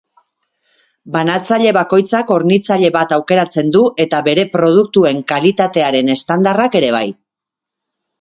Banatzaile bakoitzak hornitzaile bat aukeratzen du eta bere produktuen kalitatearen estandarrak ere bai.